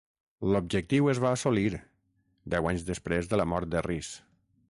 L'objectiu es va assolir, deu anys després de la mort de Rhys.